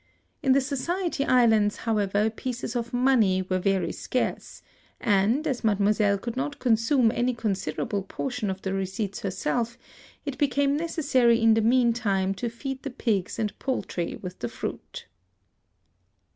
In the Society Islands, however, pieces of money were very scarce; and, as mademoiselle could not consume any considerable portion of the receipts herself, it became necessary in the mean time to feed the pigs and poultry with the fruit."